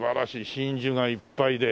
真珠がいっぱいで。